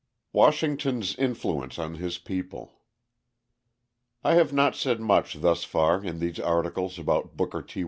Washington's Influence on His People I have not said much thus far in these articles about Booker T.